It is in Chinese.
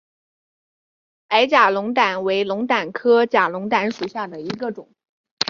矮假龙胆为龙胆科假龙胆属下的一个种。